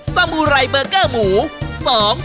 ๑สมุรัยเบียด